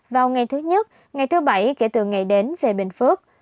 vào ngày thứ nhất ngày thứ bảy kể từ ngày đến về bình phước